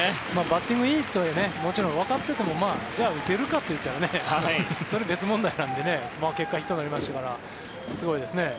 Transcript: バッティングいいとはいえもちろんわかっていてもじゃあ打てるかといったら別問題なので結果、ヒットになりましたからすごいですね。